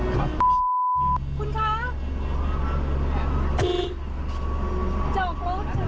คุณคร้าว